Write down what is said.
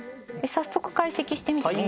早速解析してみてもいいですか？